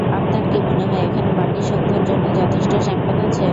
আপনার কি মনে হয় এখানে বাকি সন্ধ্যার জন্য যথেষ্ট শ্যাম্পেন আছে?